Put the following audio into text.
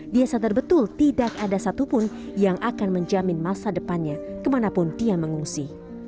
dia sadar betul tidak ada satupun yang akan menjamin masa depannya kemanapun dia mengungsi